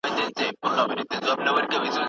هسک شه